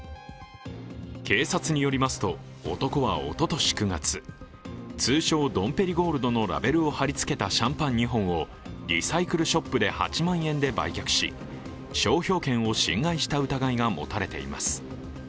警察によりますと、男はおととし９月、通称ドンペリゴールドのラベルを貼りつけた２本をリサイクルショップで８万円で売却し、商標権を侵害した疑いが持たれています。